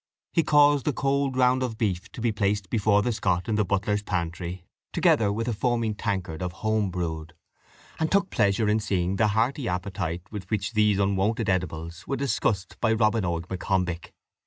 He caused a cold round of beef to be placed before the Scot in the butler's pantry, together with a foaming tankard of home brewed, and took pleasure in seeing the hearty appetite with which these unwonted edibles were discussed by Robin Oig M'Combich.